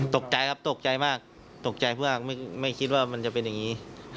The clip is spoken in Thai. ตกใจครับตกใจมากตกใจเพื่อไม่คิดว่ามันจะเป็นอย่างนี้